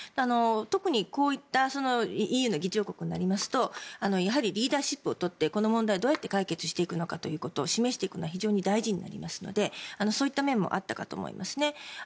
特にこういったＥＵの議長国になりますとやはりリーダーシップを取ってこの問題をどう解決していくのかというのを示していくのは非常に大事になりますのでそういった面もあったかと思いますね。